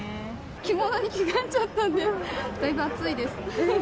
着物に着替えちゃったんで、だいぶ暑いです。